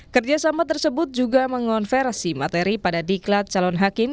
kerjasama tersebut juga mengonversi materi pada diklat calon hakim